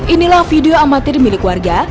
inilah video amatir milik warga